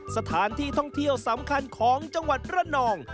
สถานที่ท่องเที่ยวสำคัญของจังหวัดระนอง